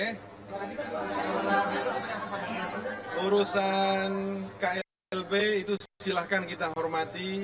jadi urusan klb itu silahkan kita hormati